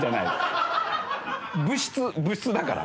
物質物質だから。